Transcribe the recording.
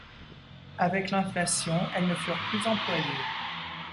Avec l'inflation, elles ne furent plus employées.